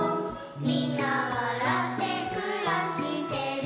「みんなわらってくらしてる」